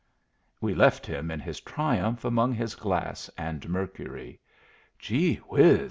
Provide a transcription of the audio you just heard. We left him in his triumph among his glass and mercury. "Gee whiz!"